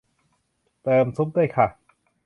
เติมซุปด้วยค่ะ